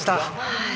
はい。